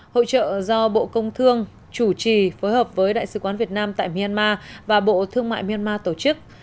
hội trợ do bộ công thương chủ trì phối hợp với đại sứ quán việt nam tại myanmar và bộ thương mại myanmar tổ chức